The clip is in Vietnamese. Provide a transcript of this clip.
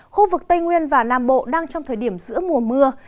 khu vực tây nguyên và nam bộ đang trong thời điểm giữa mùa mưa